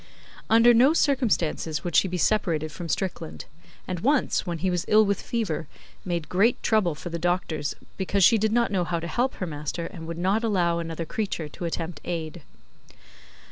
Under no circumstances would she be separated from Strickland; and once, when he was ill with fever, made great trouble for the doctors, because she did not know how to help her master and would not allow another creature to attempt aid.